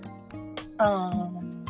ああ。